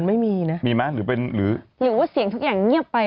เหมือนไม่มีนะมีมั้ยหรือเป็นหรือเหมือนว่าเสียงทุกอย่างเงียบไป